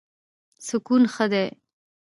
سکون ښه دی.